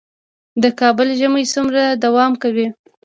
د کابل ژمی څومره دوام کوي؟